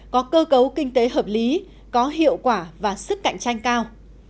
có cơ cấu kinh tế hợp lý có hiệu quả và sức cạnh tranh cao